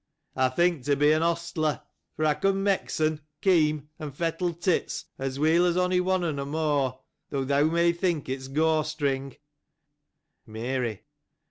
— I think to be an ostler ; for, I can mexen,^ kem, and fettle horses, as well as any one of them, although thou may think I am boasting. Mary.